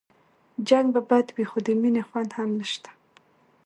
جنګ به بد وي خو د مينې خوند هم نشته